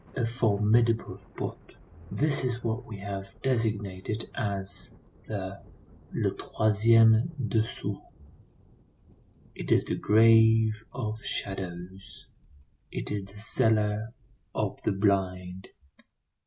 A formidable spot. This is what we have designated as the le troisième dessous. It is the grave of shadows. It is the cellar of the blind.